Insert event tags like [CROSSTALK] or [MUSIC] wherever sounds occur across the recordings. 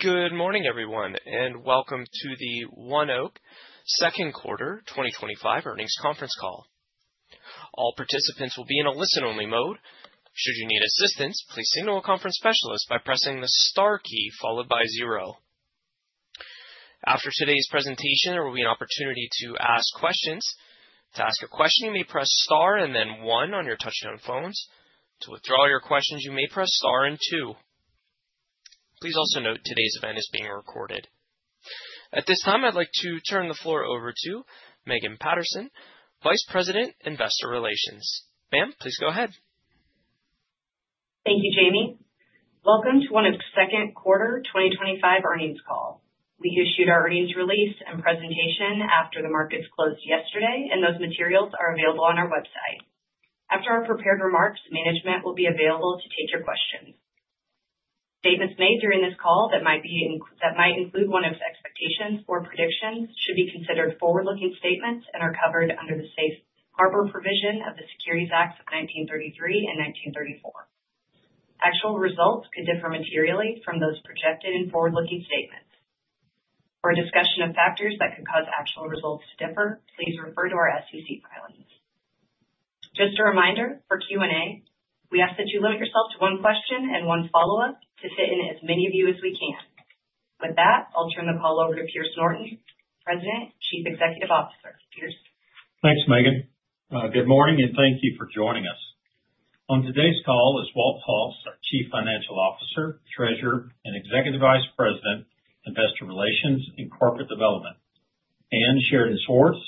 Good morning everyone and welcome to the ONEOK second quarter 2025 earnings conference call. All participants will be in a listen only mode. Should you need assistance, please signal a conference specialist by pressing the Star key followed by zero. After today's presentation there will be an opportunity to ask questions. To ask a question you may press Star and then one on your touchtone phones. To withdraw your questions you may press Star and two. Please also note today's event is being recorded. At this time I'd like to turn the floor over to Megan Patterson, Vice President, Investor Relations. Ma'am, please go ahead. Thank you, Jamie. Welcome to ONEOK's second quarter 2025 earnings call. We issued our earnings release and presentation after the markets closed yesterday, and those materials are available on our website. After our prepared remarks, management will be available to take your questions. Statements made during this call that might include expectations or predictions should be considered forward-looking statements and are covered under the Safe Harbor provision of the Securities Act of 1933 and 1934. Actual results could differ materially from those projected in forward-looking statements. For a discussion of factors that could cause actual results to differ, please refer to our SEC filings. Just a reminder for Q&A, we ask that you limit yourself to one question and one follow-up to fit in as many of you as we can. With that, I'll turn the call over to Pierce Norton, President, Chief Executive Officer. Thanks, Megan. Good morning and thank you for joining us. On today's call is Walter Hulse, our Chief Financial Officer, Treasurer and Executive Vice President, Investor Relations and Corporate Development, and Sheridan Swords,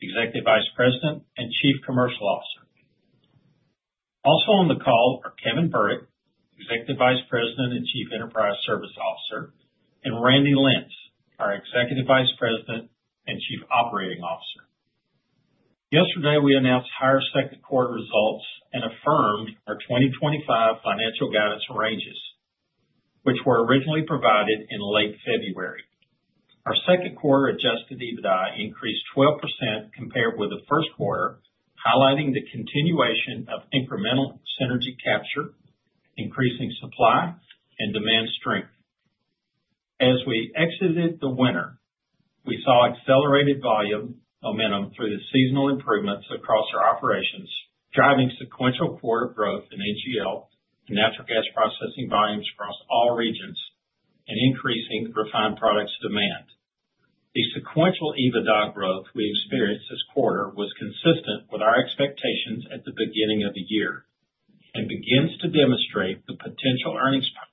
Executive Vice President and Chief Commercial Officer. Also on the call are Kevin Burdick, Executive Vice President and Chief Enterprise Service Officer, and Randy Lentz, our Executive Vice President and Chief Operating Officer. Yesterday we announced higher second quarter results and affirmed our 2025 financial guidance ranges, which were originally provided in late February. Our second quarter Adjusted EBITDA increased 12% compared with the first quarter, highlighting the continuation of incremental synergy capture and increasing supply and demand strength. As we exited the winter, we saw accelerated volume momentum through the seasonal improvements across our operations, driving sequential quarter growth in NGL natural gas processing volumes across all regions and increasing refined products demand. The sequential EBITDA growth we experienced this quarter was consistent with our expectations at the beginning of the year and begins to demonstrate the potential earnings from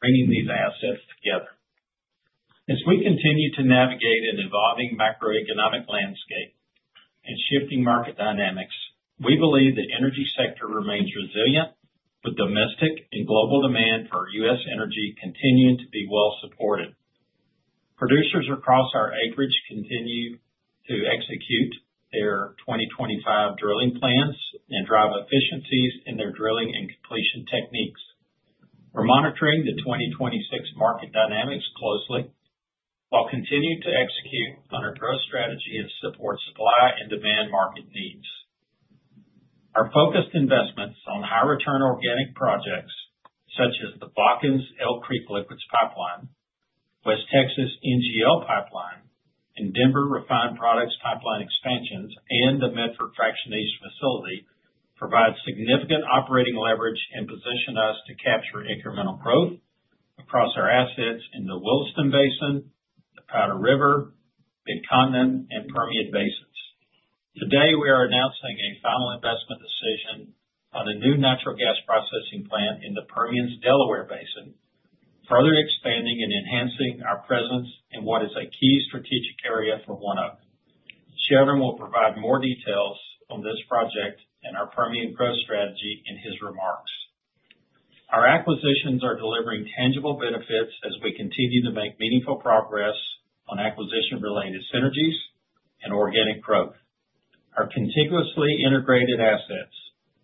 bringing these assets together. As we continue to navigate an evolving macroeconomic landscape and shifting market dynamics, we believe the energy sector remains resilient, with domestic and global demand for US energy continuing to be well supported. Producers across our acreage continue to execute their 2025 drilling plans and drive efficiencies in their drilling and completion techniques. We're monitoring the 2026 market dynamics closely while continuing to execute on our growth strategy and support supply and demand market themes. Our focused investments on high-return organic projects such as the Bakken's Elk Creek Liquids Pipeline, West Texas NGL Pipeline and Denver Refined Products Pipeline expansions, and the Medford Fractionation Facility provide significant operating leverage and position us to capture incremental growth across our assets in the Williston Basin, Powder River, Mid-Continent and Permian Basin. Today we are announcing a final investment decision on a new natural gas processing plant in the Permian's Delaware Basin, further expanding and enhancing our presence in what is a key strategic area for ONEOK. Sheridan will provide more details on this project and our Permian Pro strategy in his remarks. Our acquisitions are delivering tangible benefits as we continue to make meaningful progress on acquisition-related synergies and organic growth. Our continuously integrated assets,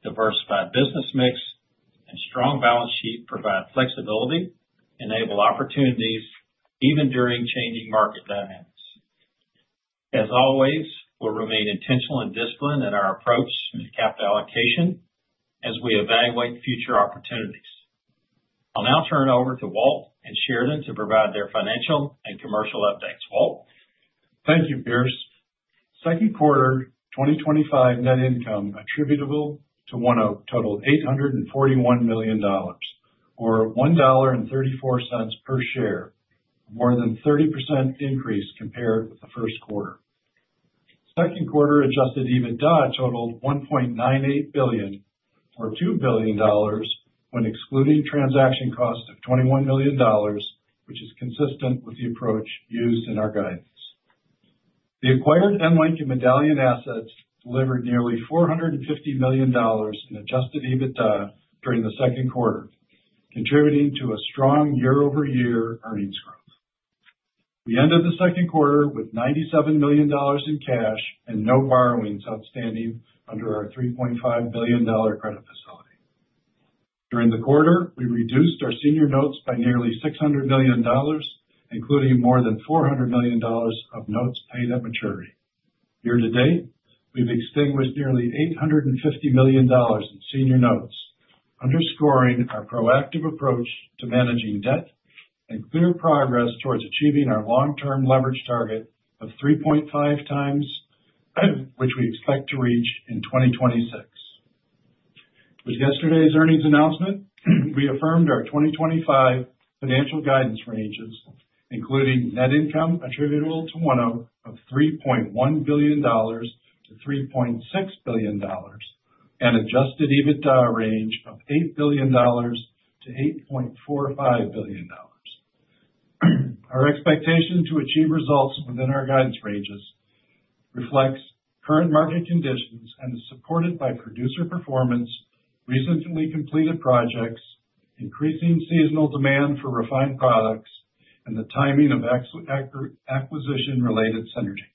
diversified business mix and strong balance sheet provide flexibility and enable opportunities even during changing market dynamics. As always, we remain intentional and disciplined in our approach to capital allocation as we evaluate future opportunities. I'll now turn it over to Walter and Sheridan to provide their financial and commercial updates. Walter. Thank you. Pierce, second quarter 2025 net income attributable to ONEOK totaled $841 million, or $1.34 per share, more than 30% increase compared with the first quarter. Second quarter Adjusted EBITDA totaled $1.98 billion, or $2 billion when excluding transaction costs of $21 million, which is consistent with the approach used in our guidance. The acquired Magellan and Medallion assets delivered nearly $450 million in Adjusted EBITDA during the second quarter, contributing to a strong year-over-year. [AUDIO DISTORTION] We ended the second quarter with $97 million in cash and no borrowings outstanding under our $3.5 billion credit facility. During the quarter, we reduced our senior notes by nearly $600 million, including more than $400 million of notes paid at maturity. Year to date, we've extinguished nearly $850 million in senior notes, underscoring our proactive approach to managing debt and clear progress towards achieving our long-term leverage target of 3.5 times, which we expect to reach in 2026. With yesterday's earnings announcement, we affirmed our 2025 financial guidance ranges, including net income attributable to ONEOK of $3.1 billion-$3.6 billion, and an Adjusted EBITDA range of $8 billion-$8.45 billion. Our expectation to achieve results within our guidance ranges reflects current market conditions and is supported by producer performance, recently completed projects, increasing seasonal demand for refined products, and the timing of acquisition-related synergies.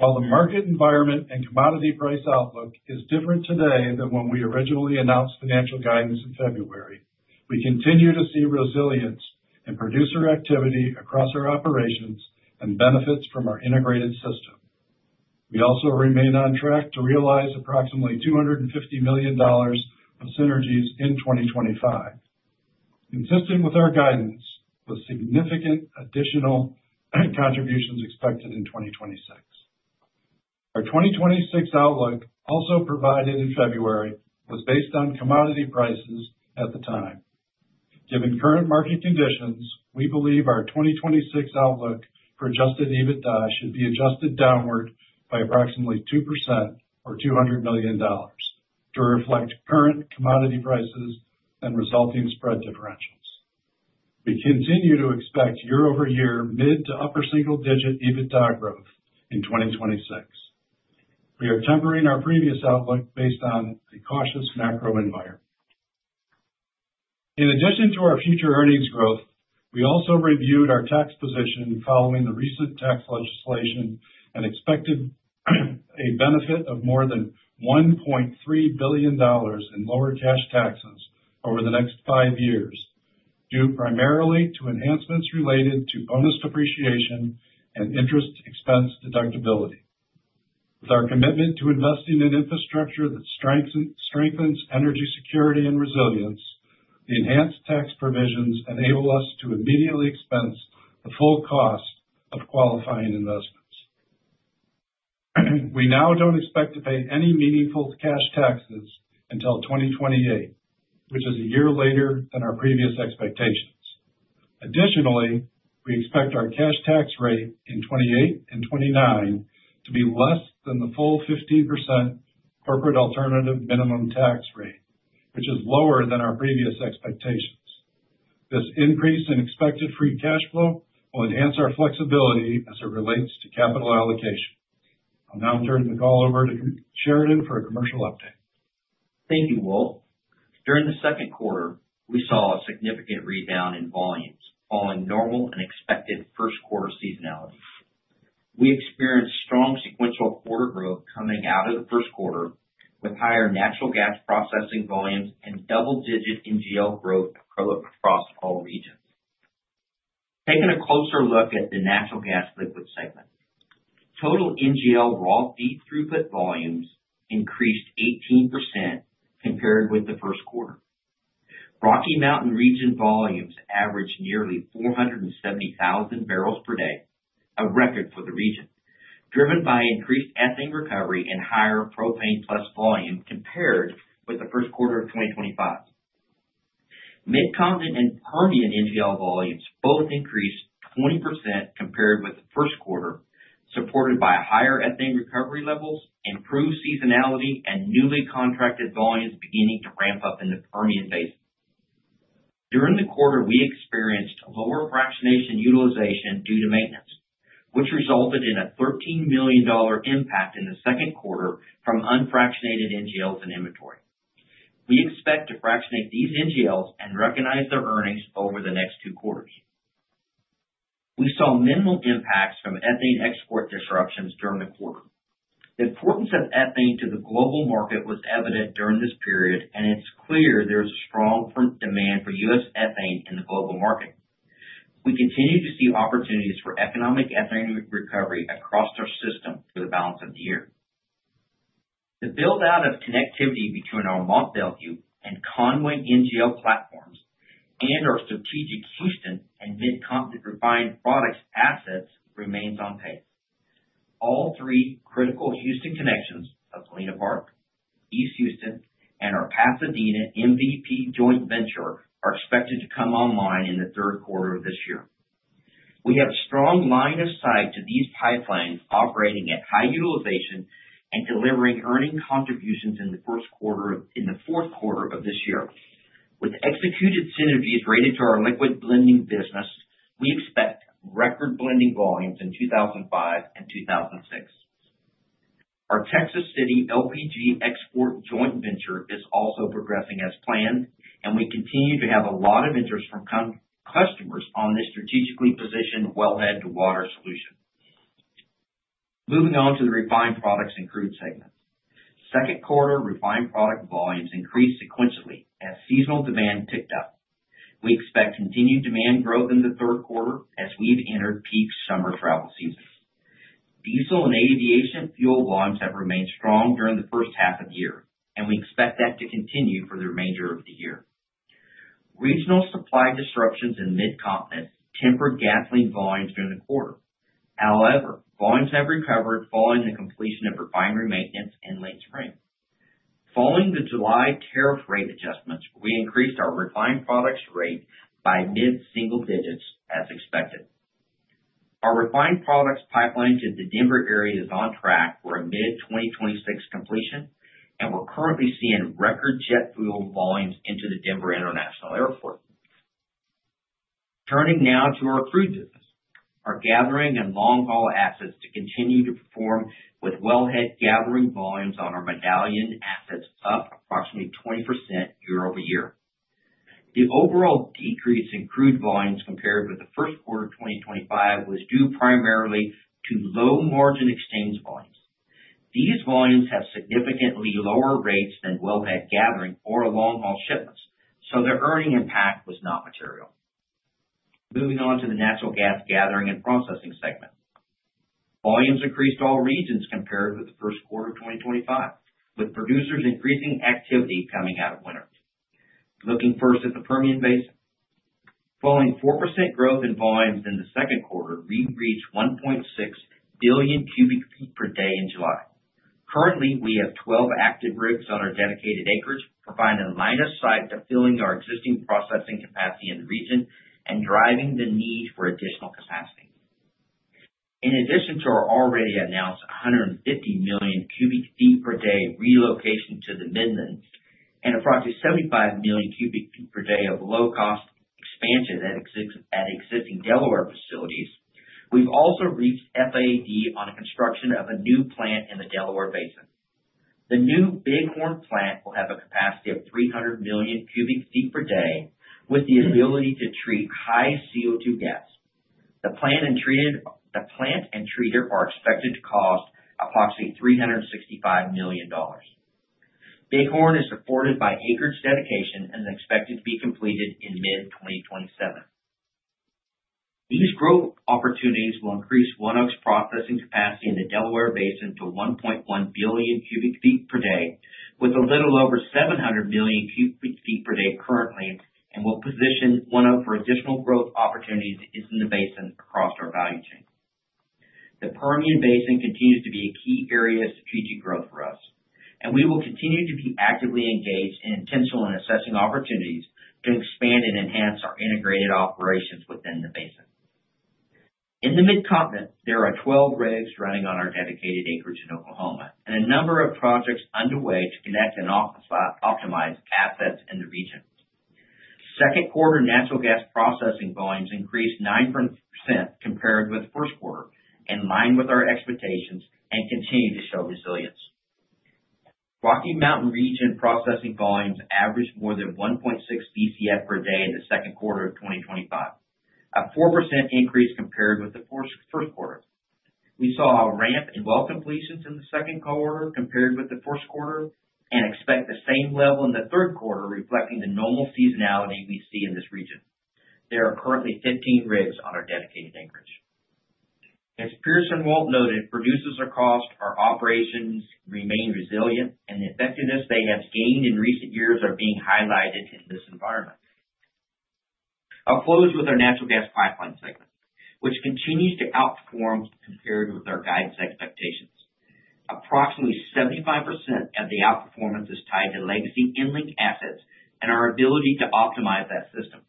While the market environment and commodity price outlook is different today than when we originally announced financial guidance in February, we continue to see resilience in producer activity across our operations and benefits from our integrated system. We also remain on track to realize approximately $250 million of synergies in 2025, consistent with our guidance, with significant additional contributions expected in 2026. Our 2026 outlook, also provided in February, was based on commodity prices at the time. Given current market conditions, we believe our 2026 outlook for Adjusted EBITDA should be adjusted downward by approximately 2% or $200 million to reflect current commodity prices and resulting spread differentials. We continue to expect year-over-year mid to upper single digit EBITDA growth in 2026. We are tempering our previous outlook based on a cautious macro environment. In addition to our future earnings growth. We also reviewed our tax position following the recent tax legislation and expected a benefit of more than $1.3 billion in lower cash taxes over the next five years due primarily to enhancements related to bonus depreciation and interest expense deductibility. With our commitment to investing in infrastructure that strengthens energy security and resilience, the enhanced tax provisions enable us to immediately expense the full cost of qualifying investments. We now don't expect to pay any meaningful cash taxes until 2028, which is a year later than our previous expectations. Additionally, we expect our cash tax rate in 2028 and 2029 to be less than the full 15% corporate alternative minimum tax rate, which is lower than our previous expectations. This increase in expected free cash flow will enhance our flexibility as it relates to capital allocation. Now I'm turning the call over to Sheridan for a commercial update. Thank you, Walter. During the second quarter, we saw a significant rebound in volumes following normal and expected first quarter seasonality. We experienced strong sequential order growth coming out of the first quarter with higher natural gas processing volumes and double-digit NGL growth across all regions. Taking a closer look at the natural gas liquids segment, total NGL raw feed throughput volumes increased 18% compared with the first quarter. Rocky Mountain region volumes averaged nearly 470,000 bpd, a record for the region driven by increased ethane recovery and higher propane plus volume compared with the first quarter of 2024. Mid-Continent and Permian NGL volumes both increased 20% compared with the first quarter, supported by higher ethane recovery levels, improved seasonality, and newly contracted volumes beginning to ramp up in the Permian phase. During the quarter, we experienced lower fractionation utilization due to maintenance, which resulted in a $13 million impact in the second quarter from unfractionated NGLs and inventory. We expect to fractionate these NGLs and recognize their earnings over the next two quarters. We saw minimal impacts from ethane export disruptions during the quarter. The importance of ethane to the global market was evident during this period, and it's clear there is strong demand for US ethane in the global market. We continue to see opportunities for economic ethane recovery across our system for the balance of the year. The buildout of connectivity between our Mont Belvieu and Conway NGL platforms and our strategic Houston and Mid-Continent refined products assets remains on pace. All three critical Houston connections at Lena Park, East Houston, and our Pasadena MVP joint venture are expected to come online in the third quarter of this year. We have strong line of sight to these pipelines operating at high utilization and delivering earning contributions in the first quarter. In the fourth quarter of this year, with executed synergies related to our liquids blending business, we expect record blending volumes in 2025 and 2026. Our Texas City LPG export joint venture is also progressing as planned, and we continue to have a lot of interest from customers on this strategically positioned wellhead-to-water solution. Moving on to the refined products and crude segment, second quarter refined product volumes increased sequentially as seasonal demand picked up. We expect continued demand growth in the third quarter as we've entered peak summer travel season. Diesel and aviation fuel volumes have remained strong during the first half of the year, and we expect that to continue for the remainder of the year. Regional supply disruptions in the Mid-Continent tempered gasoline volumes during the quarter, however, volumes have recovered following the completion of refinery maintenance in late spring. Following the July tariff rate adjustments, we increased our refined products rate by mid-single digits. As expected, our refined products pipeline to the Denver area is on track for a mid-2026 completion, and we're currently seeing record jet fuel volumes into the Denver International Airport. Turning now to our three businesses, our gathering and long haul assets continue to perform with wellhead gathering volumes on our Medallion assets up approximately 20% year-over-year. The overall decrease in crude volumes compared with the first quarter 2025 was due primarily to low margin exchange volumes. These volumes have significantly lower rates than wellhead gathering or long haul shipments, so the earning impact was not material. Moving on to the natural gas gathering and processing segment, volumes increased in all regions compared with the first quarter of 2025, with producers increasing activity coming out of winter. Looking first at the Permian Basin, following 4% growth in volumes in the second quarter, we reached 1.6 billion cu ft per day in July. Currently, we have 12 active routes on our dedicated acreage, providing a line of sight to filling our existing processing capacity in the region and driving the need for additional capacity. In addition to our already announced 150 million cu ft per day relocation to the Midland and approximately 75 million cu ft per day of low-cost expansion at existing Delaware facilities, we've also reached final investment decision on construction of a new plant in the Delaware Basin. The new Bighorn plant will have a capacity of 300 million cu ft per day with the ability to treat high CO2 gas. The plant and treater are expected to cost approximately $365 million. Bighorn is supported by acreage dedication and expected to be completed in mid-2027. These growth opportunities will increase ONEOK's processing capacity in the Delaware Basin to 1.1 billion cu ft per day with a little over 700 million cu ft per day currently and will position ONEOK for additional growth opportunities in the basin across our value chain. The Permian Basin continues to be a key area of strategic growth for us, and we will continue to be actively engaged in intentionally assessing opportunities to expand and enhance our integrated operations within the basin. In the Mid-Continent, there are 12 rigs running on our dedicated acreage in Oklahoma and a number of projects underway to connect and optimize assets in the region. Second quarter natural gas processing volumes increased 9% compared with first quarter, in line with our expectations, and continue to show resilience. Rocky Mountain region processing volumes averaged more than 1.6 billion cu ft per day in the second quarter of 2025, a 4% increase compared with the first quarter. We saw a ramp in well completions in the second quarter compared with the first quarter and expect the same level in the third quarter, reflecting the normal seasonality we see in this region. There are currently 15 rigs on our dedicated acreage. As Pierce and Walter noted, producers across our operations remain resilient, and the effectiveness they have gained in recent years is being highlighted in this environment. I'll close with our natural gas pipeline segment, which continues to outperform compared with our guidance expectations. Approximately 75% of the outperformance is tied to legacy EnLink assets and our ability to optimize that system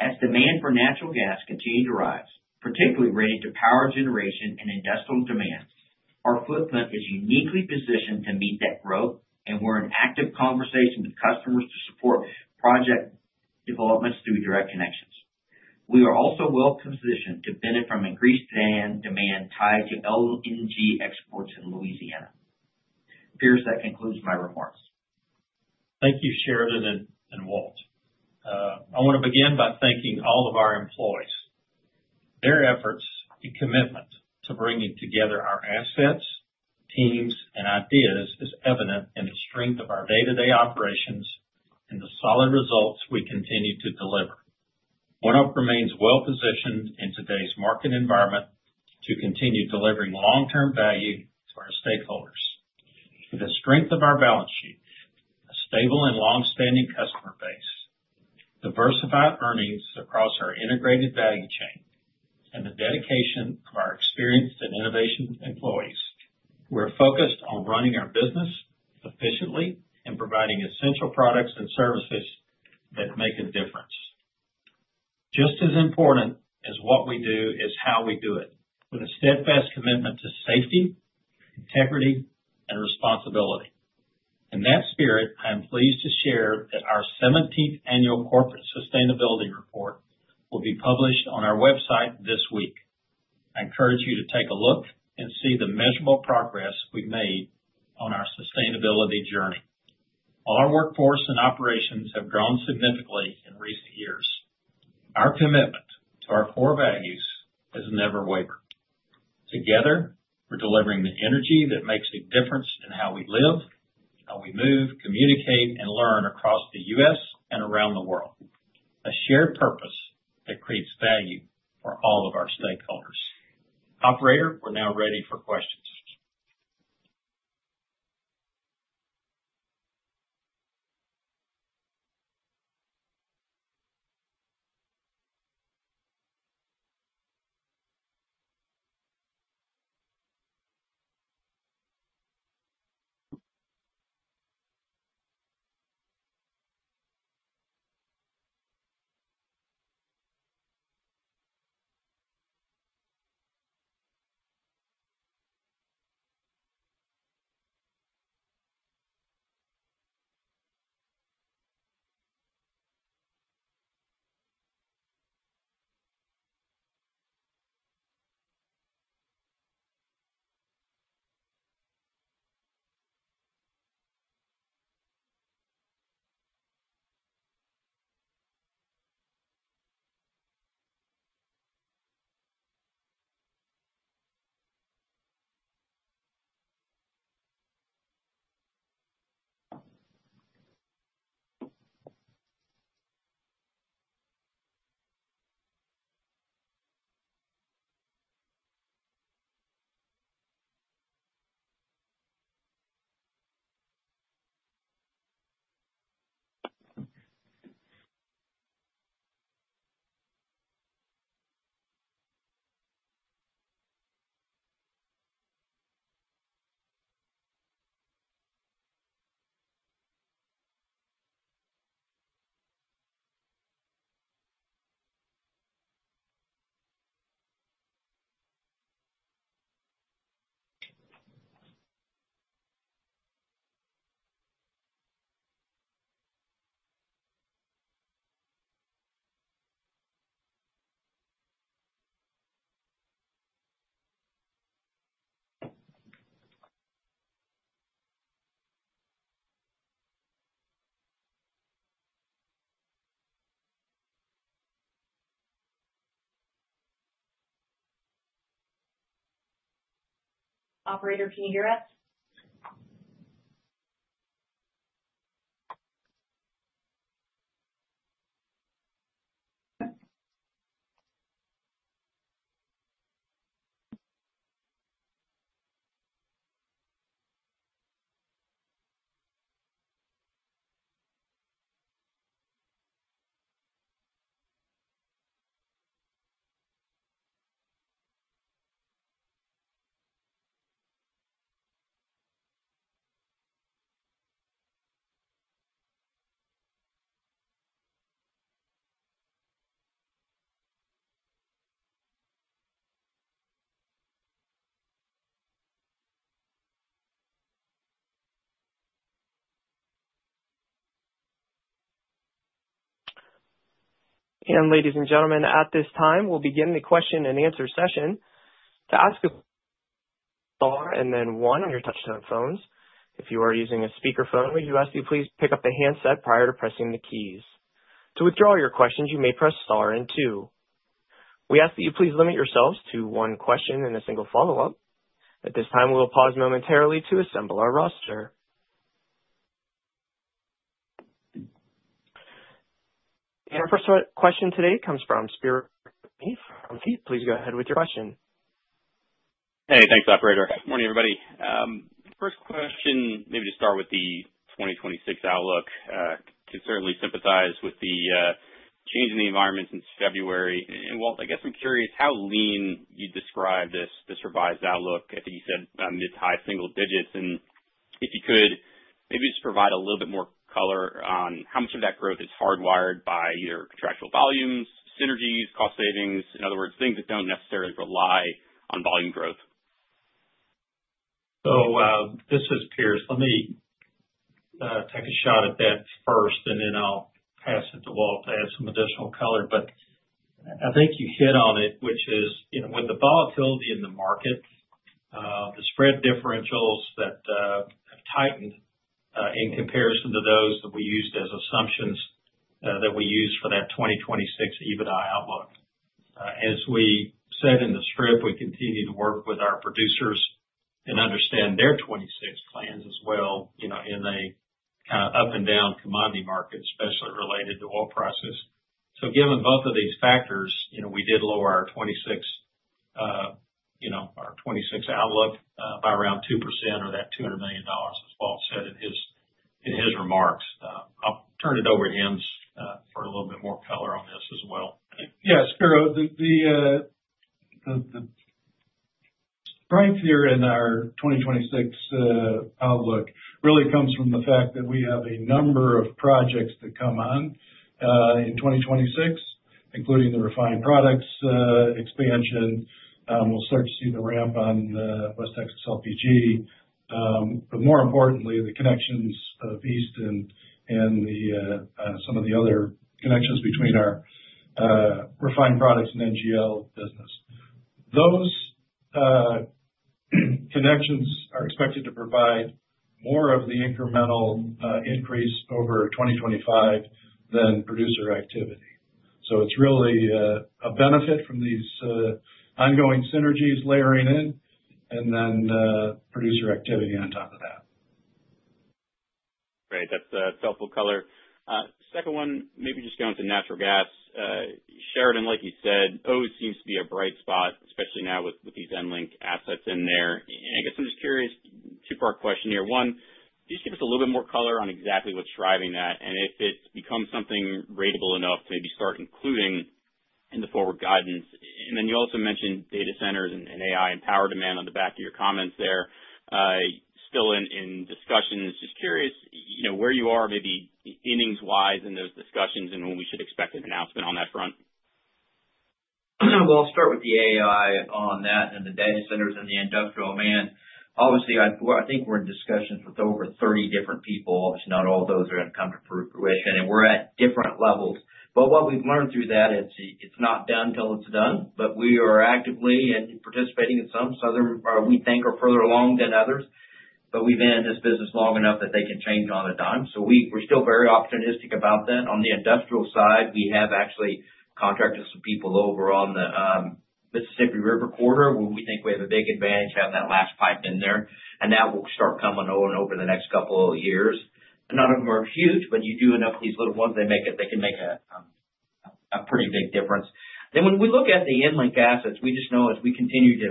as demand for natural gas continues to rise, particularly related to power generation and industrial demand. Our footprint is uniquely positioned to meet that growth, and we're in active conversation with customers to support project developments through direct connections. We are also well positioned to benefit from increased demand tied to LNG exports in Louisiana. Pierce, that concludes my reports. Thank you. Sheridan and Walter, I want to begin by thanking all of our employees. Their efforts and commitment to bringing together our assets, teams, and ideas is evident in the strength of our day-to-day operations and the solid results we continue to deliver. ONEOK remains well positioned in today's market environment to continue delivering long-term value for our stakeholders, through the strength of our balance sheet, stable and long-standing customer base, diversified earnings across our integrated value chain, and the dedication of our experienced and innovative employees. We're focused on running our business efficiently and providing essential products and services that make a difference. Just as important as what we do is how we do it, with a steadfast commitment to safety, integrity, and responsibility. In that spirit, I'm pleased to share that our 17th annual Corporate Sustainability Report will be published on our website this week. I encourage you to take a look and see the measurable progress we've made on our sustainability-driven goals. Our workforce and operations have grown significantly in recent years. Our commitment to our core values has never wavered. Together, we're delivering the energy that makes a difference in how we live, how we move, communicate, and learn across the U.S. and around the world—a shared purpose that creates value for all of our stakeholders. Operator, we're now ready for questions. Operator Pierre. It. Ladies and gentlemen, at this time we'll begin the question and answer session. To ask a question, press Star and then one on your touch tone phones. If you are using a speakerphone, we ask you please pick up the handset prior to pressing the keys. To withdraw your question, you may press Star and two. We ask that you please limit yourselves to one question and a single follow-up. At this time, we will pause momentarily to assemble our roster. Our first question today comes from Spirit. Please go ahead with your question. Hey, thanks, operator. Good morning, everybody. First question, maybe to start with the 2026 outlook. Certainly sympathize with the change in the environment since February. Walter, I guess I'm curious how [you mean] you describe this revised outlook? I think you said mid to high single digits, and if you could, maybe just prov`ide a little bit more color on how much of that growth is hardwired by either contractual volumes, synergies, cost savings. In other words, things that don't necessarily rely on volume growth. This is Pierce. Let me take a shot at that first, and then I'll pass it to Walter to add some additional color. I think you hit on it, which is, you know, with the volatility in the market, the spread differentials that have tightened in comparison to those that we used as assumptions for that 2026 Adjusted EBITDA outlook. As we said in the script, we continue to work with our producers and understand their 2026 plans as well. You know, in a kind of up the down commodity market, especially related to oil prices, and both of these factors, we did lower our 2026 outlook by around 2% or that $200 million, as Paul said in his remarks. I'll turn it over to him for a little bit more color on this as well. Yes, the price here in our 2026 outlook really comes from the fact that we have a number of projects that come on in 2026, including the refined products expansion. We'll start to see the ramp on the West Texas LPG. More importantly, the connections of Easton and some of the other connections between our Refined Products and NGL business are expected to provide more of the incremental increase over 2025 than producer activity. It's really a benefit from these ongoing synergies layering in and then producer activity on top of that. Great, that's helpful color. Second one, maybe just going to natural gas, Sheridan. Like you said, ODES seems to be a bright spot, especially now with these EnLink assets in there. I guess I'm just curious. Two-part question here. One, just give us a little bit more color on exactly what's driving that and if it's become something ratable enough to maybe start including in the forward guidance. You also mentioned data centers and AI and power demand on the back of your comments. There's still in discussion. It's just curious, you know where you are maybe innings wise in those discussions and when we should expect an announcement on that front. I'll start with the AI on that and the data centers and the industrial man. Obviously, I think we're in discussions with over 30 different people. Not all those are going to come to fruition and we're at different levels. What we've learned through that is it's not done until it's done. We are actively participating in some, some we think are further along than others. We've been in this business long enough that they can change on a dime. We're still very opportunistic about that on the industrial side. We have actually contracted some people over on the Mississippi River corridor where we think we have a big advantage having that last pipe in there, and that will start coming on over the next couple of years. None of them are huge. When you do enough, these little ones, they make it, they can make a pretty big difference. When we look at the EnLink assets, we just know as we continue to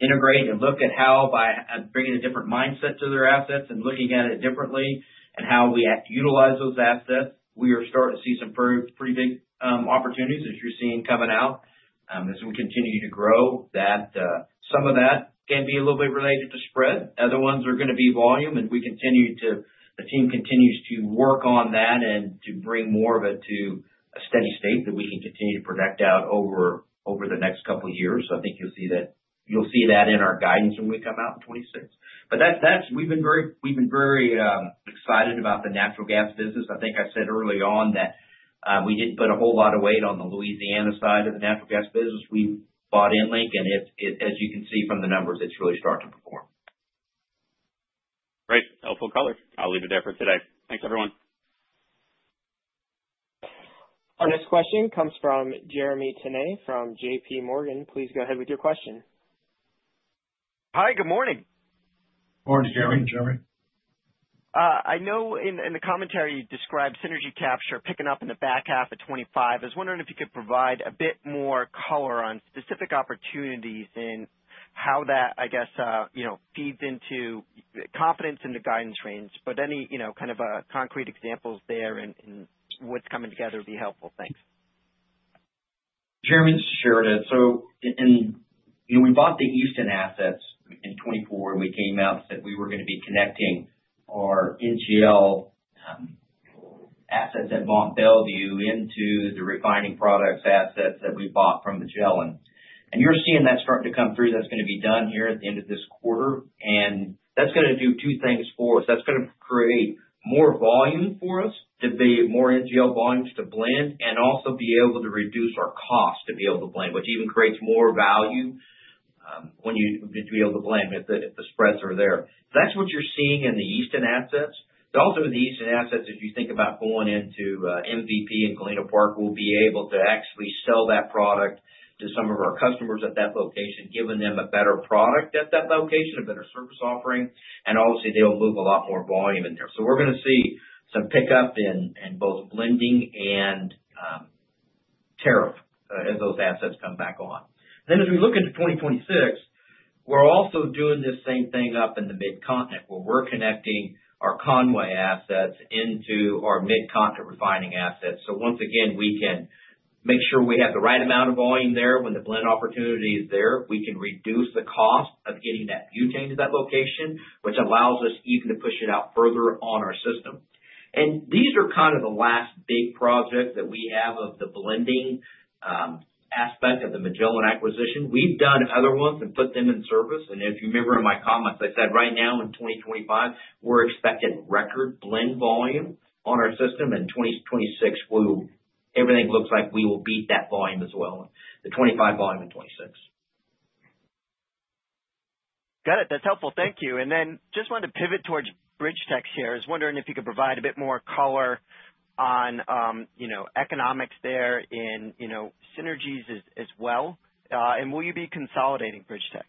integrate and look at how by bringing a different mindset to their assets and looking at it differently and how we utilize those assets, we are starting to see some pretty big opportunities. As you're seeing coming out, as we continue to grow, some of that can be a little bit related to spread. Other ones are going to be volume, and we continue to, the team continues to work on that and to bring more of it to a steady state that we can continue to project out over the next couple years. I think you'll see that in our guidance when we come out in 2026. We've been very excited about the natural gas business. I think I said early on that we didn't put a whole lot of weight on the Louisiana side of the natural gas business. We bought EnLink. As you can see from the numbers, it's really starting to perform great. Helpful caller. I'll leave it there for today. Thanks everyone. Our next question comes from Jeremy Tonet from JPMorgan. Please go ahead with your question. Hi, good morning? [Morning, Jeremy] I know in the commentary you described synergy capture picking up in the back half of 2025. I was wondering if you could provide a bit more color on specific opportunities in how that, I guess, you know, feeds into confidence in the guidance range. Any, you know, kind of concrete examples there and what's coming together would be helpful. Thanks. Jeremy shared it. We bought the Easton assets in 2024 and we came out that we were going to be connecting our NGL assets at Mont Belvieu into the refined products assets that we bought from Magellan. You're seeing that starting to come through. That's going to be done here at the end of this quarter and that's going to do two things for us. That's going to create more volume for us to be more NGL volumes to blend and also be able to reduce our cost to be able to blend, which even creates more value when you are able to blend, if the spreads are there. That's what you're seeing in the Easton assets. Also, the Easton assets, if you think about going into MVP and Galena Park, will be able to actually sell that product to some of our customers at that location, giving them a better product at that location, a better service offering, and obviously they'll move a lot more volume in there. We're going to see some pickup in both blending and tariff as those assets come back on. As we look into 2026, we're also doing this same thing up in the Mid-Continent where we're connecting our Conway assets into our Mid-Continent refining assets. Once again, we can make sure we have the right amount of volume there. When the blend opportunity is there, we can reduce the cost of getting that change at that location, which allows us even to push it out further on our system. These are kind of the last big projects that we have of the blending aspect of the Magellan acquisition. We've done other ones and put them in service. If you remember in my comments, I said right now in 2025 we're expecting record blend volume on our system. In 2026, everything looks like we will beat that volume as well, the 2025 volume and 2026. Got it. That's helpful. Thank you. I just wanted to pivot towards BridgeTex here. I was wondering if you could provide a bit more color on, you know, economics there in, you know, synergies as well. Will you be consolidating BridgeTex?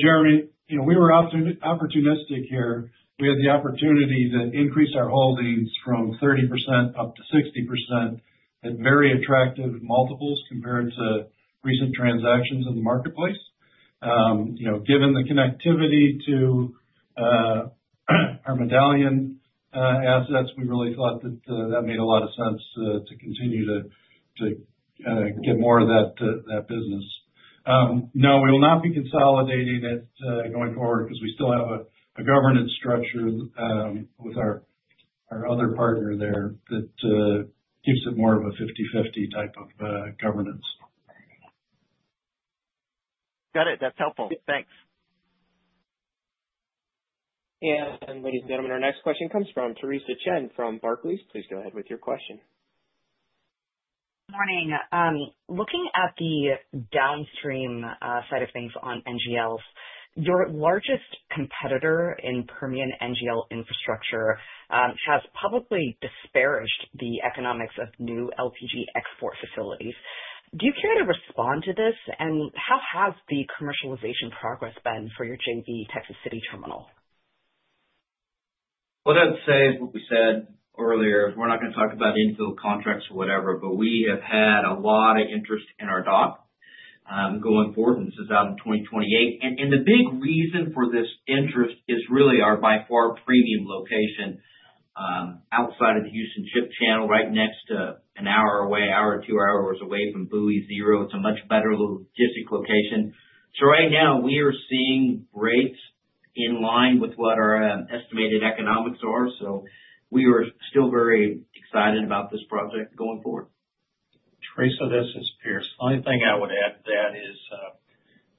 Jeremy, we were opportunistic here. We had the opportunity to increase our holdings from 30% up to 60% at very attractive multiples compared to recent transactions in the marketplace. You know, given the connectivity to our Medallion assets, we really thought that that made a lot of sense to continue to get more of that business. No, we will not be consolidating it going forward because we still have a governance structure with our other partner there that keeps it more of a 50/50 type of governance. Got it. That's helpful. Thanks. Ladies and gentlemen, our next question comes from Theresa Chen from Barclays. Please go ahead with your question. Morning looking at the downstream side of things on NGLs, your largest competitor in Permian NGL infrastructure has publicly disparaged the economics of new LPG export facilities. Do you care to respond to this, and how has the commercialization progress been for your JV Texas City Terminal? What I'd say, as we said earlier, we're not going to talk about infield contracts or whatever, but we have had a lot of interest in our dock going forward and since out of 2028. The big reason for this interest is really our by far premium location outside of the Houston Ship Channel, right next to and an hour, two hours away from buoy zero. It's a much better little district location. Right now we are seeing rates in line with what our estimated economics are. We are still very excited about this project going forward. Theresa, this is Pierce. Only thing I would add is,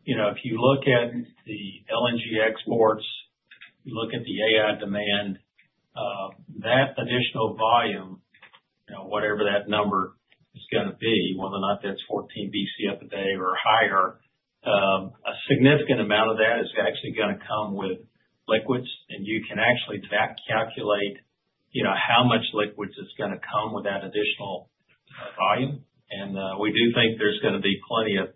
you know, if you look at the LNG exports, you look at the AI demand, that additional volume, you know, whatever that number is going to be, whether or not that's 14 Bcf a day or higher, a significant amount of that is actually going to come with liquids, and you can actually calculate, you know, how much liquids is going to come with that additional volume. We do think there's going to be plenty of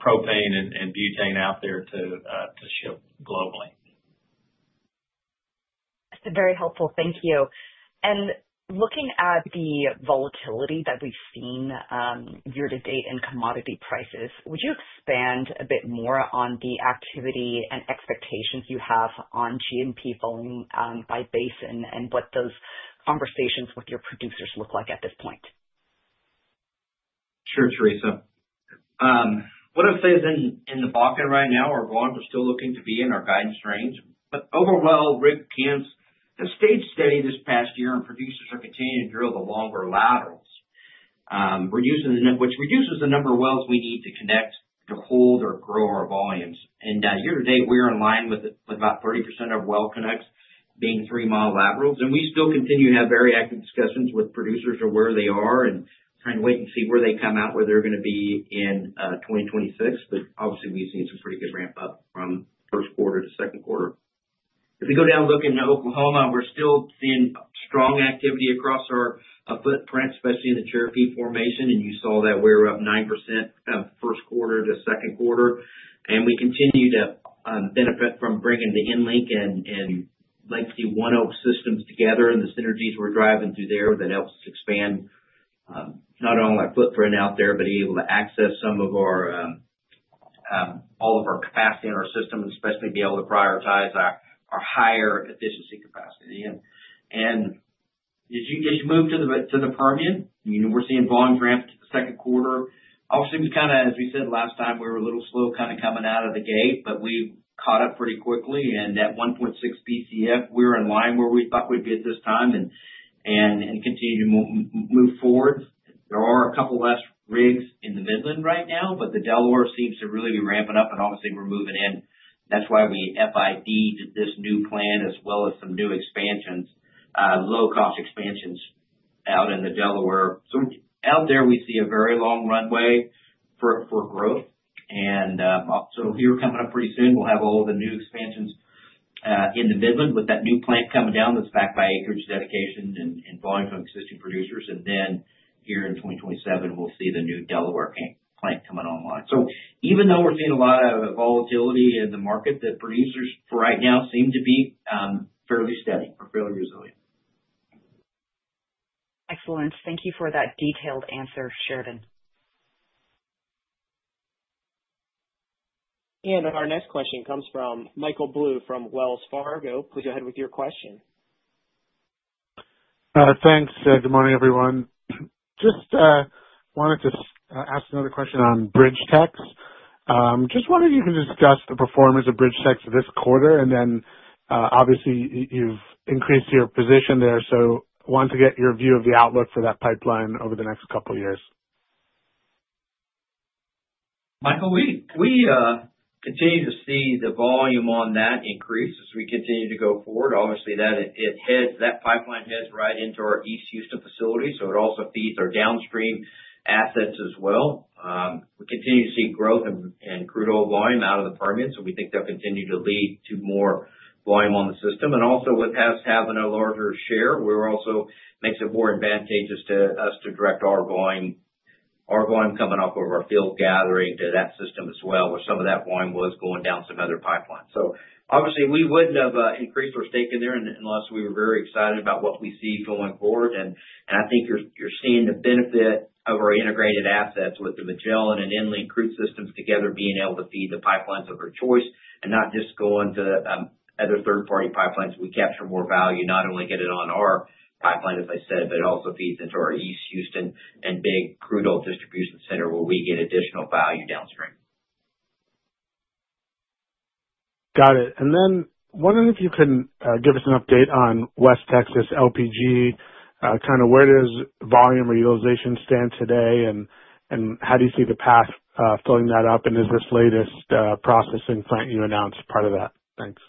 propane and butane out there to ship globally. Very helpful, thank you. Looking at the volatility that we've seen year to date in commodity prices, would you expand a bit more on the expectations you have on GMP volume by Basin and what those conversations with your producers look like at this point? Sure, Theresa. What I say is in the Bakken right now our volumes are still looking to be in our guidance range. Overall rig counts have stayed steady this past year and producers are continuing to drill the longer laterals, which reduces the number of wells we need to connect to hold or grow our volumes. Year to date, we are in line with about 30% of well connects being 3 mile laterals. We still continue to have very active discussions with producers on where they are and kind of wait and see where they come out, where they're going to be in 2026. Obviously, we've seen some pretty good ramp up from first quarter-second quarter. If we go down looking at Oklahoma, we're still seeing strong activity across our footprint, especially in the Cherokee formation, and you saw that we were up 9% from first quarter to second quarter. We continue to benefit from bringing the EnLink and legacy ONEOK systems together and the synergies we're driving through there. That helps us expand not only our footprint out there but also be able to access all of our capacity in our system, especially being able to prioritize our higher efficiency capacity. As you move to the Rockies department, we're seeing volume drift second quarter. As we said last time, we were a little slow coming out of the gate, but we caught up pretty quickly and at 1.6 Bcf, we're in line where we thought we'd be at this time and continue to move forward. There are a couple less rigs in the Midland right now, but the Delaware seems to really be ramping up and we're moving in. That's why we FID'd this new plant as well as some new low-cost expansions out in the Delaware. Out there, we see a very long runway for growth. Coming up pretty soon, we'll have all the new expansions in the Midland with that new plant coming down. That's backed by acreage dedication and volume from existing producers. In 2027, we'll see the new Delaware plant coming online. Even though we're seeing a lot of volatility in the market, producers for right now seem to be fairly steady or fairly resilient. Excellent. Thank you for that detailed answer, Sheridan. Our next question comes from Michael Blum from Wells Fargo. Please go ahead with your question. Thanks. Good morning everyone. Just wanted to ask another question on BridgeTex. Just wonder if you can discuss the performance of BridgeTex this quarter. Obviously you've increased your position there. Want to get your view of the outlook for that pipeline over the next couple years. [Michael Blum, we are] continue to see the volume on that increase as we continue to go forward. Obviously, that pipeline heads right into our East Houston facilities, so it also feeds our downstream assets as well. We continue to see growth in the crude oil volume out of the Permian. We think they'll continue to lead to more volume on the system. Also, with us having a larger share, it makes it more advantageous to us to direct our volume, our volume coming off of our field gathering to that system as well, where some of that volume was going down some other pipelines. Obviously, we wouldn't have increased our stake in there unless we were very excited about what we see going forward. I think you're seeing the benefit of our integrated assets with the Magellan and EnLink crude systems together being able to feed the pipelines of our choice and not just going to other third party pipelines. We capture more value, not only get it on our pipeline, as I said, but it also feeds into our East Houston and big crude oil distribution center where we get additional value downstream. Got it. [What if you can] give us an update on West Texas LPG, kind of where does volume or utilization stand today? How do you see the path filling that up, and is this latest processing plant you announced part of that? Thanks.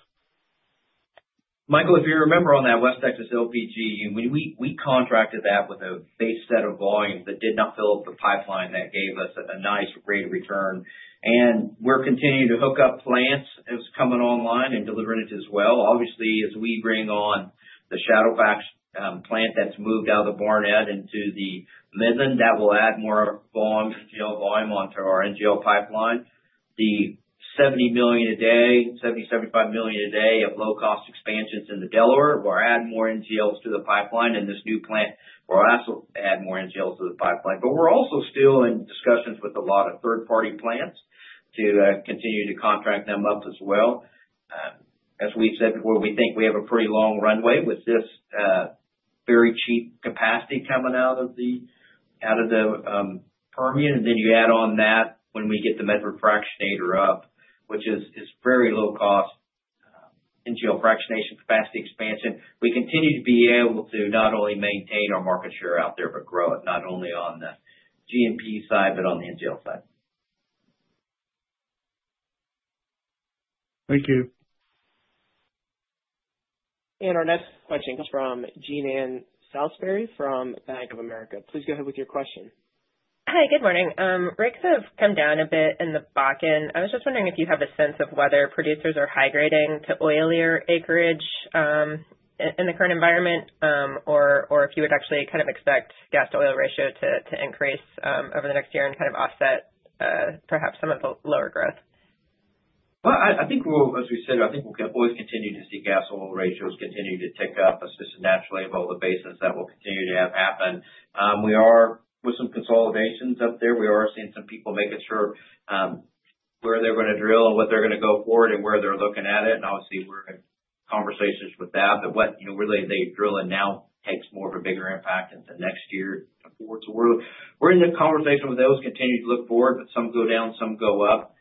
Michael. If you remember on that West Texas NGL, we contracted that with a base set of volume that did not fill up the pipeline. That gave us a nice rate of return. We're continuing to hook up plants as coming online and delivering it as well. Obviously, as we bring on the Shadowfax plant that's moved out of the Barnett into the Midland, that will add more volume onto our NGL pipeline. The $70 million a day, $70, $75 million a day of low-cost expansions in the Delaware, we're adding more NGLs to the pipeline and this new plant will also add more NGLs to the pipeline. We're also still in discussions with a lot of third-party plants to continue to contract them up as well. As we said, we think we have a pretty long runway with this very cheap capacity coming out of the Permian. You add on that when we get the Medford Fractionation Facility up, which is very low-cost NGL fractionation capacity expansion, we continue to be able to not only maintain our market share out there, but grow it not only on the GMP side, but on the NGL side. Thank you. Our next question comes from Jean Ann Salisbury from Bank of America. Please go ahead with your question. Hi, good morning. Rigs have come down a bit in the Bakken. I was just wondering if you have a sense of whether producers are high grading to oilier acreage in the current environment or if you would actually kind of expect gas to oil ratio to increase over the next year perhaps some of the lower growth. I think as we said, I think we'll always continue to see gas oil ratios continue to take up as this naturally bolt basis. That will continue to happen. We are, with some consolidations up there, seeing some people making sure where they're going to drill, what they're going to go forward and where they're looking at it. Obviously, we're in conversations with that. What you know, really, they drill, it now takes more of a bigger impact into next year. We're in the conversation with those, continue to look forward. Some go down, some go up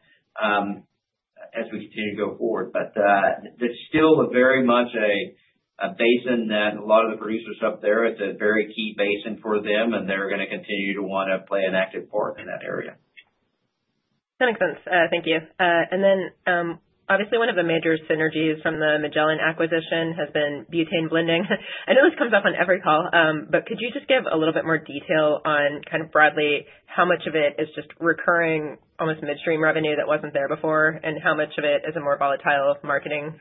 as. We continue to go forward. That's still very much a basin that a lot of the producers up there consider very key for them, and they're going to continue to want to play an active part in that area. That makes sense. Thank you. Obviously, one of the major synergies from the Magellan acquisition has been butane blending. I know this comes up on every call, but could you just give a little bit more detail on kind of broadly how much of it is just recurring almost midstream revenue that wasn't there before, and how much of it is a more volatile marketing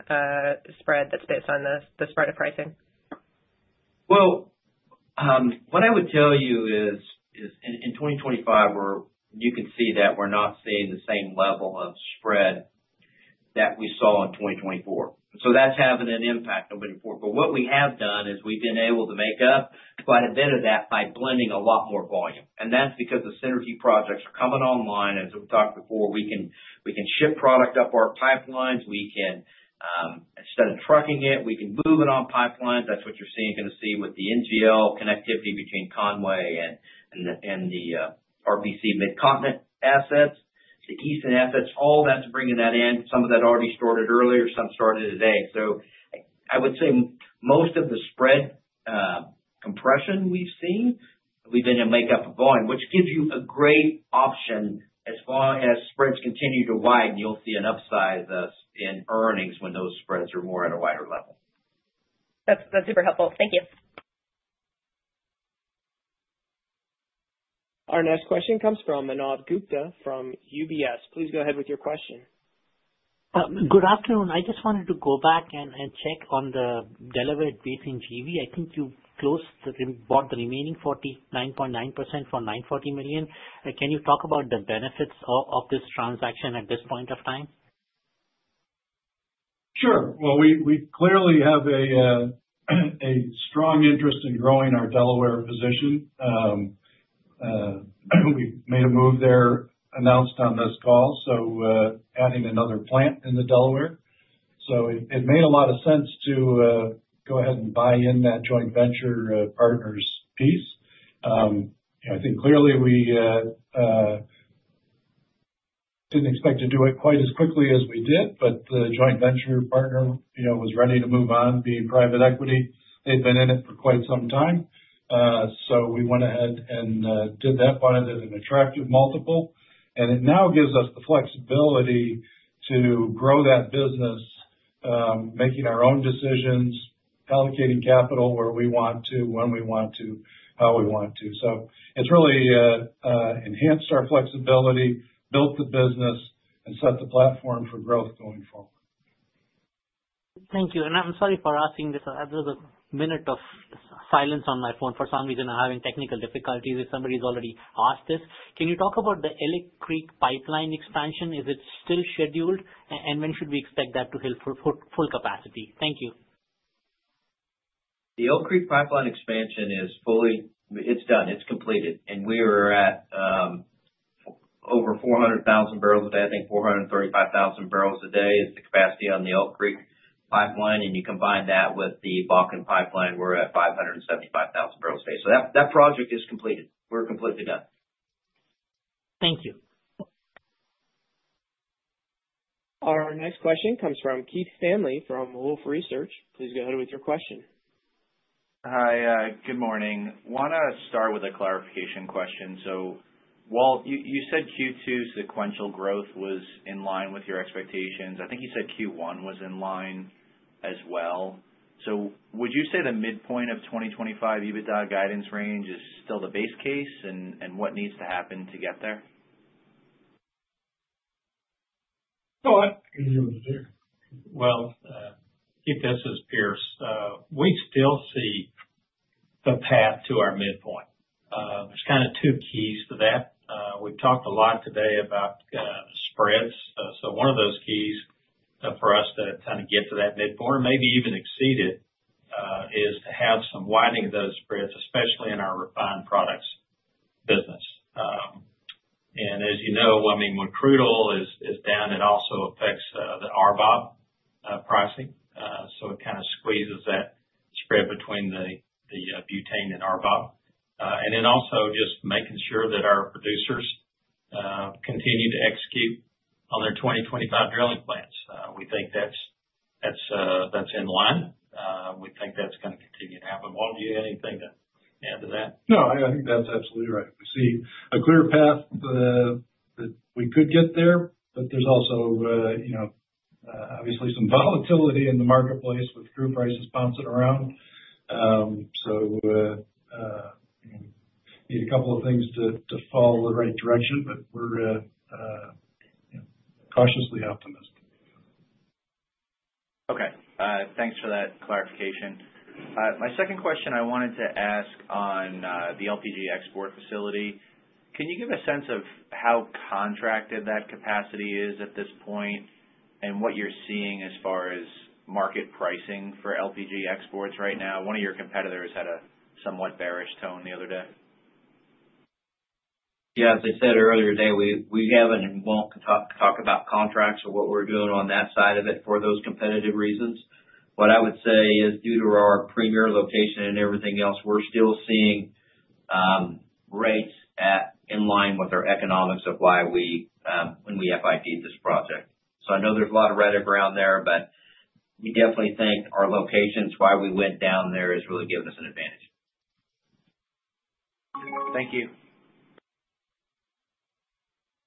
spread that's based on the spread of pricing? In 2025, where you could see that we're not seeing the same level of spread that we saw in 2024, that's having an impact on many four. What we have done is we've been able to make up quite a bit of that by blending a lot more volume, and that's because the synergy projects are coming online. As we talked before, we can ship product up our pipelines; instead of trucking it, we can move it on pipelines. That's what you're going to see with the NGL connectivity between Conway and the RPC Mid-Continent assets, the Eastern assets, all that's bringing that in. Some of that already started earlier, some started today. I would say most of the spread compression we've seen, we then make up for volume, which gives you a great option. As far as spreads continue to widen, you'll see an upside in earnings when those spreads are more at a wider level. That's super helpful, thank you. Our next question comes from Manav Gupta from UBS. Please go ahead with your question. Good afternoon. I just wanted to go back and. Check on the delivered base in GV. I think you closed, bought the remaining 49.9% for $940 million. Can you talk about the benefits of this transaction at this point of time? Sure. We clearly have a strong interest in growing our Delaware position. We made a move there announced on this call, adding another plant in the Delaware. It made a lot of sense to go ahead and buy in that joint venture partner's piece. I think clearly we didn't expect to do it quite as quickly as we did. The joint venture partner was ready to move on. The private equity had been in it for quite some time. We went ahead and did that fund at an attractive multiple, and it now gives us the flexibility to grow that business, making our own decisions, allocating capital where we want to, when we want to, how we want to. It has really enhanced our flexibility, built the business, and set the platform for growth building forward. Thank you. I'm sorry for asking this. There's a minute of silence on my phone. For some reason, I'm having technical difficulties. If somebody's already asked this, can you talk about the Elk Creek pipeline expansion? Is it still scheduled and when should we expect that to hit for full capacity? Thank you. The Elk Creek pipeline expansion is fully, it's done, it's completed, and we are at over 400,000 bbl a day. I think 435,000 bbl a day is the capacity on the Elk Creek pipeline. You combine that with the Bakken pipeline, we're at 575,000 bbl. That project is completed. We're completely done. Thank you. Our next question comes from Keith Stanley from Wolfe Research. Please go ahead with your question. Hi, good morning. Want to start with a clarification question. Walter, you said Q2 sequential growth was in line with your expectations. I think you said Q1 was in line as well. Would you say the midpoint of 2025 EBITDA guidance range is still the base case and what needs to happen to get there? Keith, this is Pierce. We still see the path to our midpoint. There are kind of two keys to that. We talked a lot today about spreads. One of those keys for us to get to that midpoint, maybe even exceed it, is to have some widening of those spreads, especially in our refined products business. As you know, with crude oil down, it also affects the RBOB pricing. It squeezes that spread between the butane and RBOB. Also, just making sure that our producers continue to execute on their 2025 drilling plans. We think that's. That's. That's in line. We think that's going to continue to happen. Walter, you have anything to add to that? No, I think that's absolutely right. We see a clear path that we could get there. There's also, you know, obviously some volatility in the marketplace with crude prices bouncing around. We need a couple of things to follow the right direction, but we're cautiously optimistic. Okay, thanks for that clarification. My second question, I wanted to ask on the LPG export facility, can you give a sense of how contracted that capacity is at this point and what you're seeing as far as market pricing for LPG exports right now? One of your competitors had a somewhat bearish tone the other day. Yeah. As I said earlier today, we haven't, won't talk about contracts or what we're doing on that side of it for those competitive reasons. What I would say is due to our premier location and everything else, we're still seeing rates in line with our economics of why we, when we FID this project. I know there's a lot of rhetoric around there, but we definitely think our location, why we went down there, has really given us an advantage. Thank you.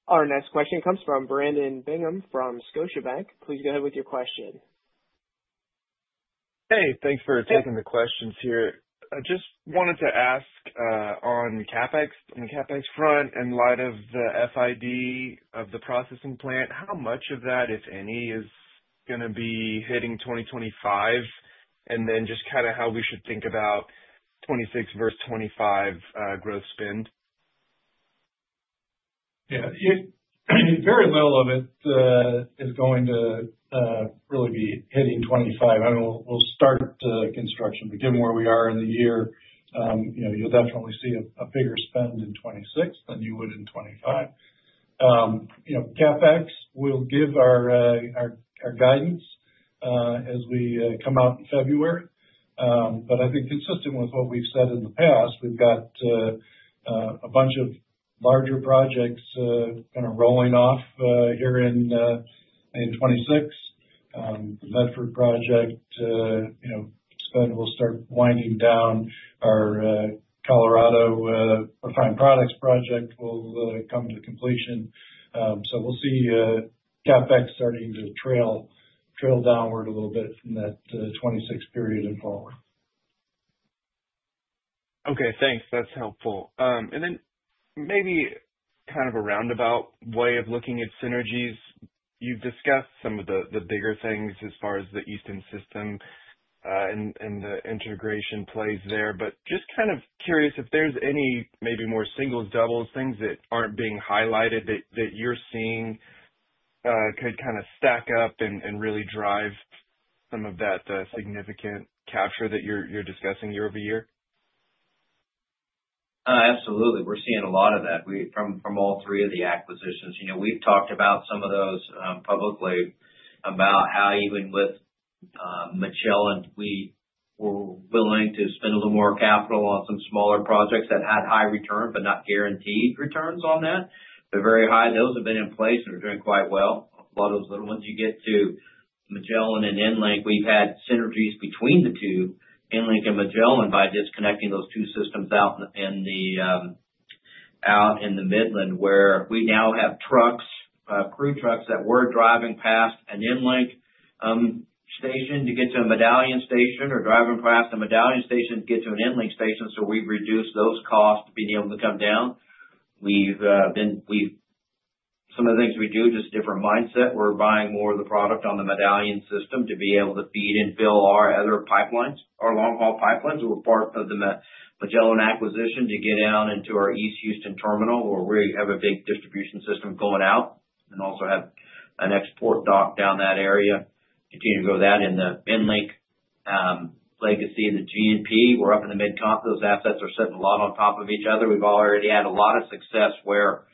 Our next question comes from Brandon Bingham from Scotiabank. Please go ahead with your question. Hey, thanks for taking the questions here. I just wanted to ask on CapEx, on the CapEx front, in light of the FID of the processing plant, how much of that, if any, is going to be hitting 2025 and then just kind of how we should think about 2026 versus 2025 gross spend. Yeah, very little of it is going to really be hitting 2025. I will start the construction, begin where we are in the year. You know, you'll definitely see a bigger spend in 2026 than you would in 2025. You know, CapEx will give our guidance as we come out in February. I think consistent with what we've said in the past, we've got a bunch of larger projects kind of rolling off here in 2026. Metro project, you know, fund will start winding down. Our Colorado Refined Products project will come to completion. We'll see CapEx starting to trail, trail downward a little bit from that 2026 period and forward. Okay, thanks. That's helpful. Maybe kind of a roundabout way of looking at synergies. You've discussed some of the bigger things as far as the eastern system and the integration plays there. I'm just kind of curious if there's. Maybe more singles, doubles, things that aren't being highlighted that you're seeing could kind of stack up and really drive some of that significant capture that you're. Discussing year-over-year. Absolutely. We're seeing a lot of that from all three of the acquisitions. We've talked about some of those publicly, about how even with Medallion, we were willing to spend a little more capital on some smaller projects that had high return but not guaranteed returns on that. They're very high. Those have been in place and are doing quite well. A lot of those little ones you get to Magellan and EnLink, we've had synergies between the two. EnLink and Magellan. By disconnecting those two systems out in the Midland where we now have trucks, crew trucks that were driving past an EnLink station to get to a Medallion station or driving past the Medallion station to get to an EnLink station. We've reduced those costs. Being able to come down. Some of the things we do, just different mindset. We're buying more of the product on the Medallion system to be able to feed and fill our other pipelines. Our long haul pipelines were part of. The Magellan acquisition to get down into our East Houston terminal where we have a big distribution system going out and also have an export dock down that area, continue to grow that in the EnLink legacy, the GNP, we're up in the mid top. Those assets are sitting a lot on top of each other. We've already had a lot of success where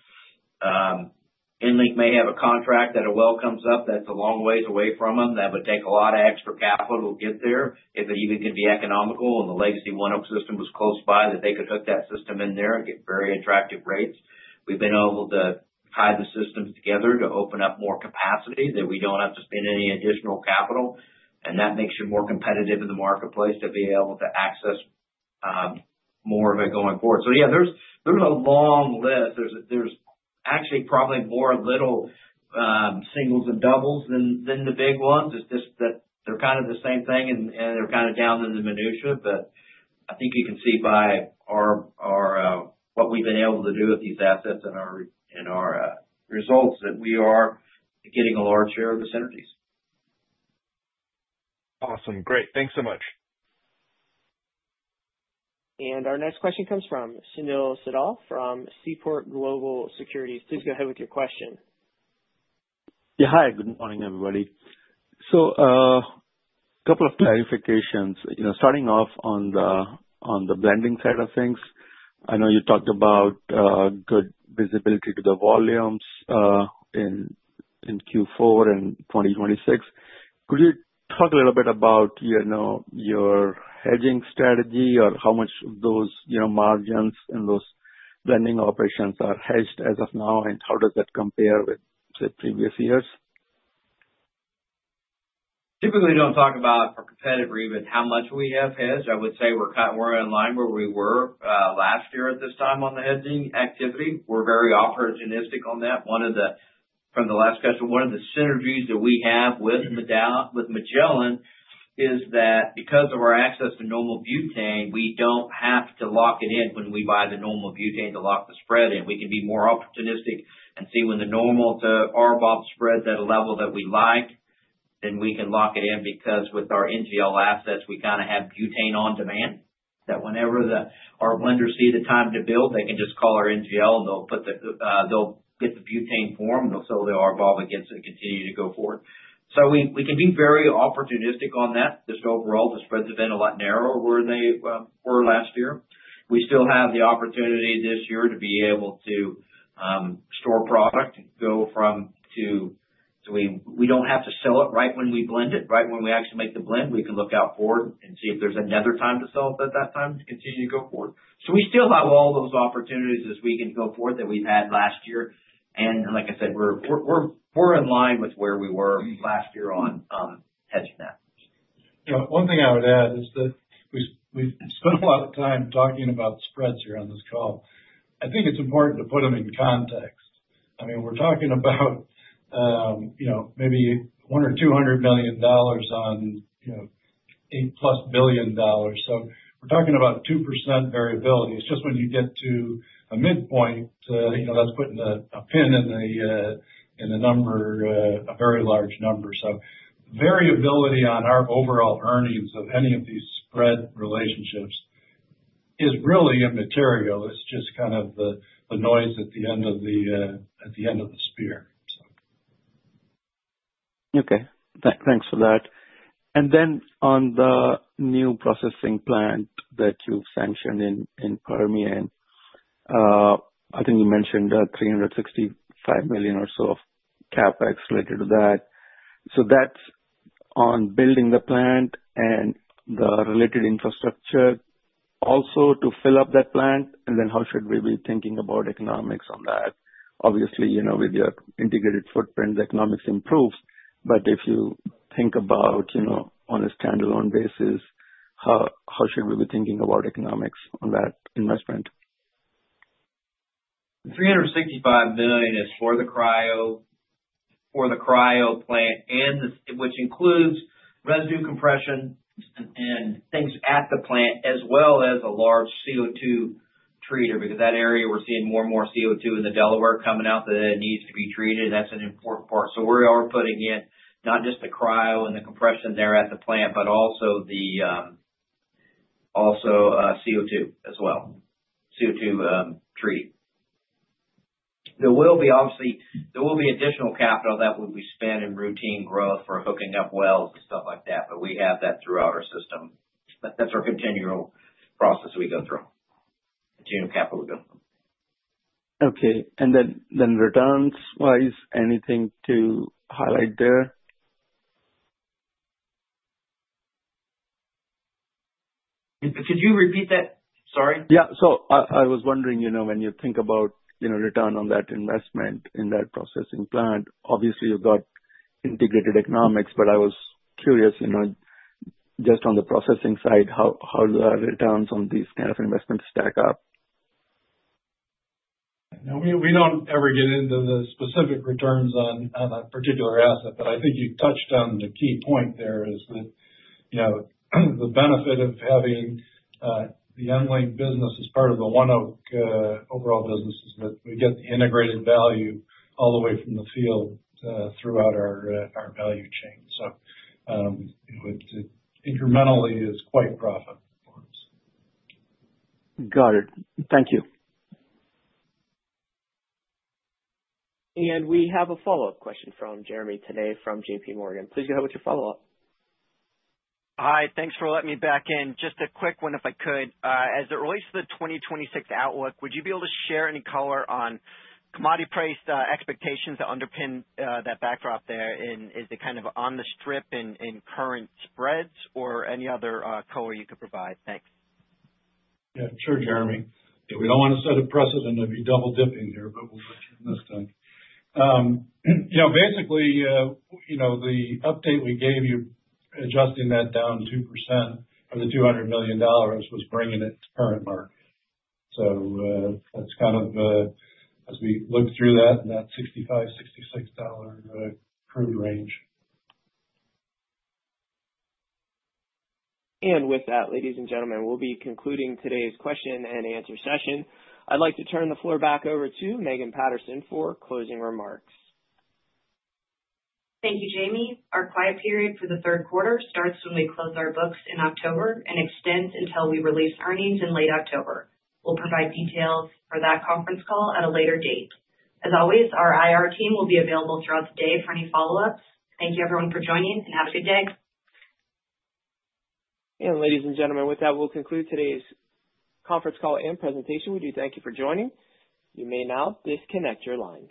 EnLink may have a contract and a well comes up that's a long ways away from them. That would take a lot of extra capital to get there if it even could be economical. The legacy ONEOK system was close by that they could hook that system in there, get very attractive rates. We've been able to tie the systems together to open up more capacity that we don't have to spend any additional capital and that makes you more competitive in the marketplace to be able to access more of it going forward. There is a long list. There are actually probably more little singles and doubles than the big ones. It's just that they're kind of the same thing and they're kind of down in the minutia. I think you can see by what we've been able to do with these assets and our results that we are getting a large share of the synergies. Awesome. Great. Thanks so much. Our next question comes from Sunil Sibal from Seaport Global. Please go ahead with your question. Hi, good morning everybody. A couple of clarifications starting off on the blending side of things. I know you talked about good visibility to the volumes in Q4 and 2026. Could you talk a little bit about your hedging strategy or how much those margins and those blending operations are hedged as of now, and how does that compare with, say, previous years? Typically don't. Talk about our competitor, even how much we have hedge. I would say we're kind of. We're in line where we were last year at this time on the hedging activity. We're very opportunistic on that. One of the, from the last question, one of the synergies that we have with Magellan is that because of our access to normal butane, we don't have to lock it in when we buy the normal butane to lock the spread in. We can be more opportunistic and see when the normal to RBOB spread's at a level that we like, then we can lock it in. Because with our NGL assets, we kind of have butane on demand that whenever our blenders see the time to build, they can just call our NGL. They'll put the, they'll get the butane form so they are evolving against it and continue to go forward. We can be very opportunistic on that. Just overall, the spreads have been a lot narrower where they were last year. We still have the opportunity this year to be able to store product, go from to. We don't have to sell it right when we blend it, right when we actually make the blend, we can look out for it and see if there's another time to sell at that time, continue to go forward. We still have all those opportunities as we can go forward that we've had last year. Like I said, we're in line with where we were last year on testnet. One thing I would add is that we spent a lot of time talking about spreads here on this call. I think it's important to put them in context. I mean, we're talking about maybe $100 million or $200 million on $8 billion plus. We're talking about 2% variability. It's just when you get to a midpoint, that's putting a pin in the number, a very large number. Variability on our overall earnings of any of these spread relationships is really immaterial. It's just kind of the noise at the end of the spear. Okay, thanks for that. -On the new processing plant that you've sanctioned in the Permian, I think you mentioned $365 million or so of CapEx related to that. That's on building the plant and the related infrastructure also to fill up that plant. How should we be thinking about economics on that? Obviously, with your integrated footprint, the economics improve. If you think about, on a standalone basis, how should we be thinking about economics on that investment? $365 million is for the cryo, for the cryo plant, which includes residue compression and things at the plant as well as a large CO2 treater. That area, we're seeing more and more CO2 in the Delaware coming out that needs to be treated. That's an important part. We are putting in not just the cryo and the compression there at the plant, but also the CO2 as well, CO2 treater. There will be additional capital that would be spent in routine growth for hooking up wells and stuff like that. We have that throughout our system. That's our continual process. We go through capital. Okay. Returns wise, anything to highlight there? Could you repeat that? Sorry. Yeah. I was wondering, you know, when you think about, you know, return on that investment in that processing plant, obviously you've got integrated economics. I was curious, you know, just on the processing side, how the returns on these kind of investments stack up. We don't ever get into the specific returns on that particular asset. I think you touched on the key point there that, you know, the benefit of having the EnLink business as part of the ONEOK overall business is that we get the integrated value all the way from the field throughout our value chain. Incrementally, it's quite a profit. Got it. Thank you. We have a follow-up question from Jeremy Tonet from JPMorgan. Please go ahead with your follow-up question. Hi, thanks for letting me back in. Just a quick one, if I could. As it relates to the 2026 outlook. Would you be able to share any? Color on commodity price expectations to underpin that backdrop there? Is it kind of on the. Strip and current spreads or any other color you could provide? Thanks. Sure Jeremy, we don't want to set a precedent of you double dipping here, but we'll put it in this time. Basically, the update we gave you, adjusting that down to 2% for the $200 million, was bringing it to current market. That's kind of as we look through that and that $65, $66 free range. With that, ladies and gentlemen, we'll be concluding today's question and answer session. I'd like to turn the floor back over to Megan Patterson for closing remarks. Thank you, Jamie. Our quiet period for the third quarter starts when we close our books in October and extends until we release earnings in late October. We'll provide detail for that conference call at a later date. As always, our IR team will be available throughout the day for any follow ups. Thank you everyone for joining and have a good day. Ladies and gentlemen, with that, we'll conclude today's conference call and presentation. We do thank you for joining. You may now disconnect your line.